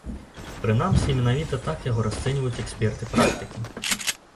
Прынамсі, менавіта так яго расцэньваюць эксперты-практыкі.